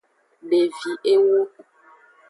Devi ewo.